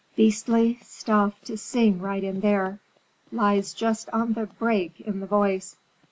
Beastly stuff to sing right in there; lies just on the 'break' in the voice."